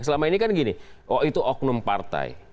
selama ini kan gini oh itu oknum partai